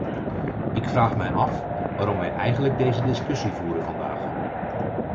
Ik vraag mij af waarom wij eigenlijk deze discussie voeren vandaag.